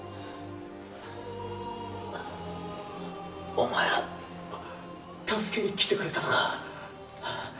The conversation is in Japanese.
お前ら、助けに来てくれたのか。